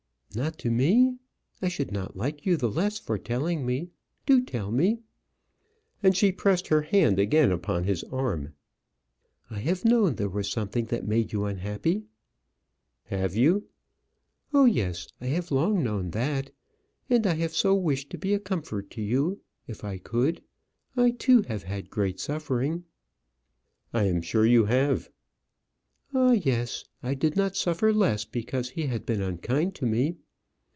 "Not to me? I should not like you the less for telling me. Do tell me." And she pressed her hand again upon his arm. "I have known there was something that made you unhappy." "Have you?" "Oh, yes. I have long known that. And I have so wished to be a comfort to you if I could. I, too, have had great suffering." "I am sure you have." "Ah! yes. I did not suffer less because he had been unkind to me."